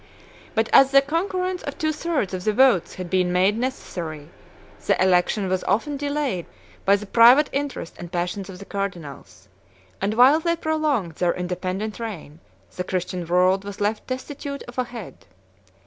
But as the concurrence of two thirds of the votes had been made necessary, the election was often delayed by the private interest and passions of the cardinals; and while they prolonged their independent reign, the Christian world was left destitute of a head.